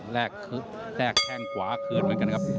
แรกแข้งขวาเคลือนเหมือนกันครับ